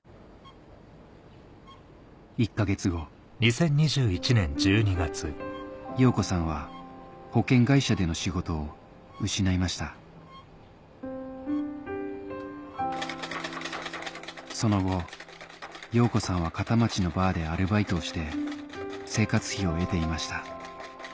１か月後陽子さんは保険会社での仕事を失いましたその後陽子さんは片町のバーでアルバイトをして生活費を得ていました